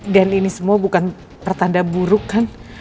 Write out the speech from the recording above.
dan ini semua bukan pertanda buruk kan